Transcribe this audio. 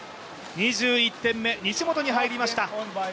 ２１点目、西本に入りました。